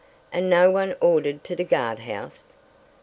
And no one ordered to the guard house?"